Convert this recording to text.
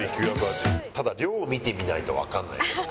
ただ量を見てみないとわかんないけどね。